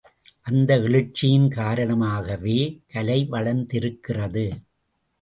அந்த எழுச்சியின் காரணமாகவே கலை வளர்ந்திருக்கிறது.